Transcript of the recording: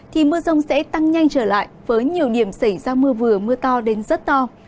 thì mưa rông sẽ tăng nhanh trở lại với nhiều điểm xảy ra mưa vừa mưa to đến rất to